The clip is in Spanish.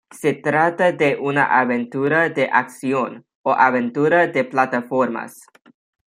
Se trata de una aventura de acción, o aventura de plataformas.